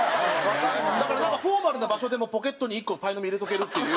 だからフォーマルな場所でもポケットに１個パイの実を入れておけるっていう。